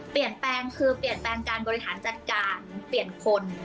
เปลี่ยนแปลงคือเปลี่ยนแปลงการบริหารจัดการเปลี่ยนคน